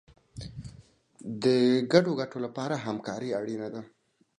د ګډو ګټو لپاره همکاري اړینه ده.